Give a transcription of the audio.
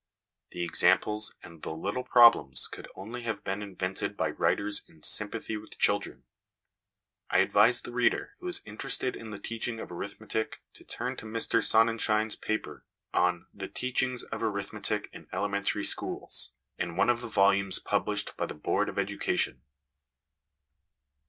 The examples and the little problems could only have been invented by writers in sympathy with children. I advise the reader who is interested in the teaching LESSONS AS INSTRUMENTS OF EDUCATION 263 of arithmetic to turn to Mr Sonnenschein's paper on ' The Teaching of Arithmetic in Elementary Schools/ in one of the volumes published by the Board of Education.